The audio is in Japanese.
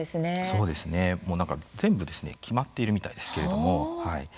そうですね、全部決まっているみたいですけれども。